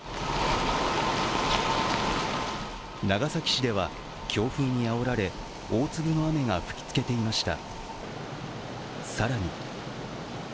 長崎市では、強風にあおられ大粒の雨が吹き付けていました。